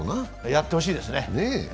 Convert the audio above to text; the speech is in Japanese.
やってほしいですね、ええ。